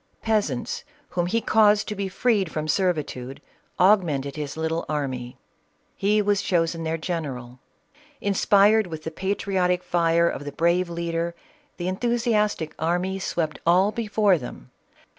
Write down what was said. Peasants, whom he caused to be freed from ''servitude, augmented his little army ; he was chosen their general. Inspired with the patriotic fire of the brave leader, the enthusiastic army swept all before them.